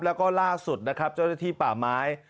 แล้วก็ล่าสุดนะครับเจ้าหน้าที่ป่าไม้